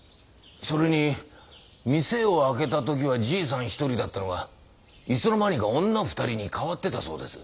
それに店を開けた時はじいさん１人だったのがいつの間にか女２人に変わってたそうです。